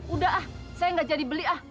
udah ah saya enggak jadi beli